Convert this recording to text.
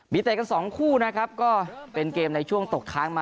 มีเตะกันสองคู่นะครับก็เป็นเกมในช่วงตกค้างมา